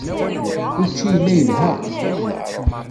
Učči yella yelha.